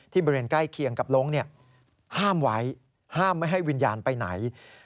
บริเวณใกล้เคียงกับล้งห้ามไว้ห้ามไม่ให้วิญญาณไปไหน